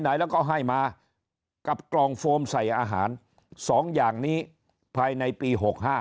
ไหนแล้วก็ให้มากับกล่องโฟมใส่อาหาร๒อย่างนี้ภายในปี๖๕